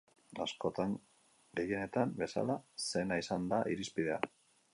Askotan, gehienetan bezala, sena izan da irizpidea.